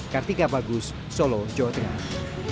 kartika bagus solo jawa tengah